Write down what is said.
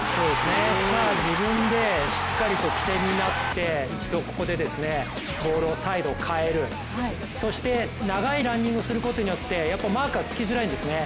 自分でしっかりと起点になって一度ここでボールをサイドかえる、そして長いランニングをすることによってマークがつきづらいんですね。